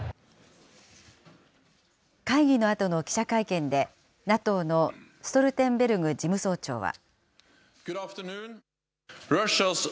会議のあとの記者会見で、ＮＡＴＯのストルテンベルグ事務総長は。